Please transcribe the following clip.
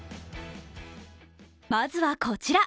まずはこちら。